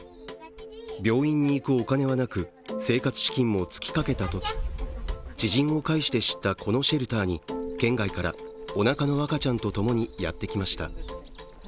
病院に行くお金はなく、生活資金も尽きかけたとき、知人を介して知ったこのシェルターに県外からおなかの赤ちゃんとともにやってきました。